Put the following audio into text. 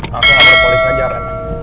langsung ambil polisi aja ren